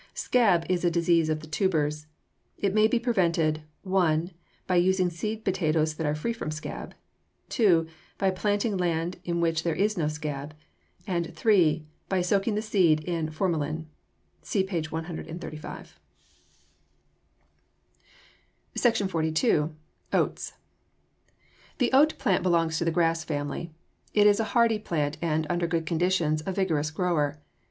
Scab is a disease of the tubers. It may be prevented (1) by using seed potatoes that are free from scab; (2) by planting land in which there is no scab; and (3) by soaking the seed in formalin (see page 135). SECTION XLII. OATS The oat plant belongs to the grass family. It is a hardy plant and, under good conditions, a vigorous grower.